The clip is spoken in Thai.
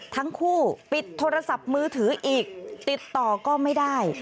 ทั้งคู่ปิดโทรศัพท์มือถืออีกติดต่อก็ไม่ได้